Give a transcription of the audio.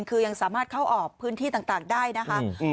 คือยังสามารถเข้าออกพื้นที่ต่างได้นะคะ